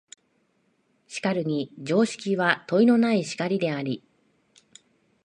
しかるに常識は問いのない然りであり、